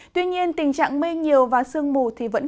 tuy nhiên tình trạng mưa nhiều và sương mù